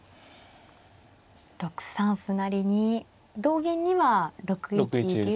６三歩成に同銀には６一竜が。